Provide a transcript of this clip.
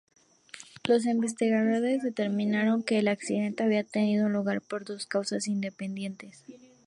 Los investigadores determinaron que el accidente había tenido lugar por dos causas independientes.